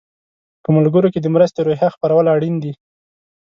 په ملګرو کې د مرستې روحیه خپرول اړین دي.